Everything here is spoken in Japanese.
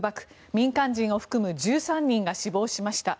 民間人を含む１３人が死亡しました。